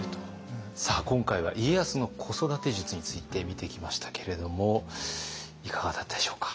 さあ今回は家康の子育て術について見てきましたけれどもいかがだったでしょうか？